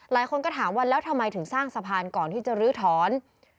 หลายคนก็ถามว่าแล้วทำไมถึงสร้างสะพานก่อนที่จะลื้อถอน